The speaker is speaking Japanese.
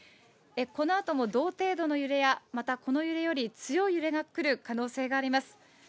このあとも同程度の揺れや、またこの揺れより強い揺れが来る可能性があります。